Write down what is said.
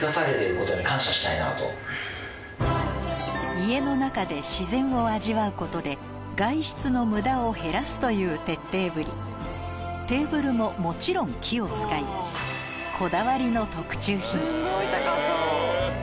家の中で自然を味わうことで外出の無駄を減らすという徹底ぶりテーブルももちろん木を使いこだわりのすごい高そう。